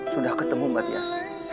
sudah ketemu mbak yas